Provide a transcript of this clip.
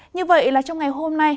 như vậy là trong ngày hôm nay